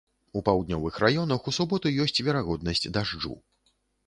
У паўднёвых раёнах у суботу ёсць верагоднасць дажджу.